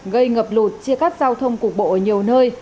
gây ngập lụt chia cắt giao thông cục bộ ở nhiều nơi